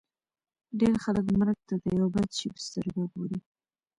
ډېر خلک مرګ ته د یوه بد شي په سترګه ګوري